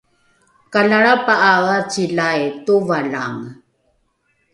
kalalrapa’ae acilai tovalange